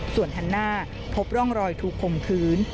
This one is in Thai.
ส่วนหันหน้าพบร่องรอยถูกคมคืน